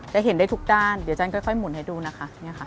จะเห็นได้ทุกด้านเดี๋ยวจันค่อยหมุนให้ดูนะคะ